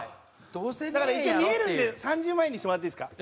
だから一応見えるんで３０万円にしてもらっていいですか？